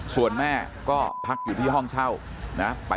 ส่วนแม่ก็พักอยู่ที่ห้องเช่านะ